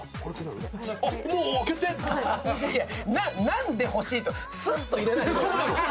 「何で欲しい」すっと入れないで。